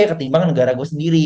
ketimbang negara gue sendiri